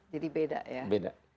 jadi beda ya